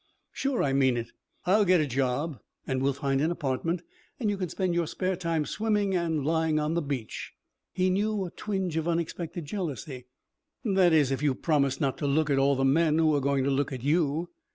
"Sure, I mean it. I'll get a job and we'll find an apartment and you can spend your spare time swimming and lying on the beach." He knew a twinge of unexpected jealousy. "That is, if you'll promise not to look at all the men who are going to look at you."